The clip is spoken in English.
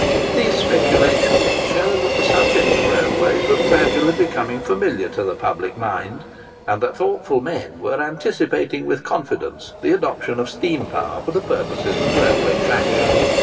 These speculations show that the subject of railways was gradually becoming familiar to the public mind, and that thoughtful men were anticipating with confidence the adoption of steam power for the purposes of railway traction.